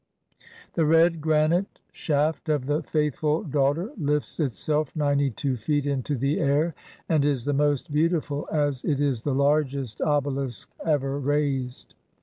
The red granite shaft of the faithful daughter lifts itself ninety two feet into the air, and is the most beautiful as it is the largest obelisk ever raised.